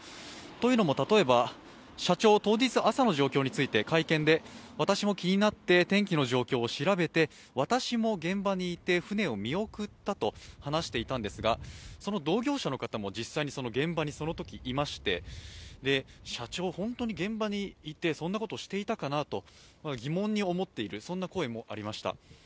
というのも、例えば社長、当日朝の状況について会見で私も気になって天気の状況を調べて私も現場にいて、船を見送ったと話していたんですが、その同業者の方も現場にそのときいまして、社長、本当に現場にいてそんなことしていたかなと疑問に思っている、そんな声もありました。